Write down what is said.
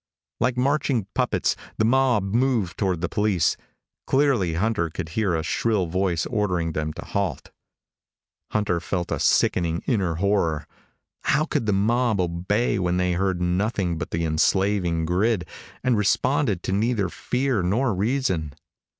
Like marching puppets, the mob moved toward the police. Clearly Hunter could hear a shrill voice ordering them to halt. Hunter felt a sickening inner horror. How could the mob obey when they heard nothing but the enslaving grid, and responded to neither fear nor reason?